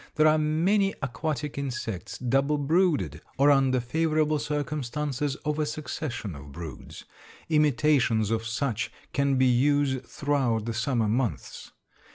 "There are many aquatic insects double brooded, or under favorable circumstances, of a succession of broods. Imitations of such can be used throughout the summer months.